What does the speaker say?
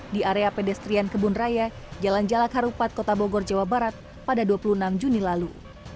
di area pedestrian kebun raya jalan jalak harupat kota bogor jawa barat pada dua puluh enam juni lalu